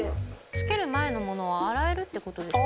つける前のものは洗えるって事ですよね。